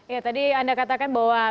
ya tadi anda katakan bahwa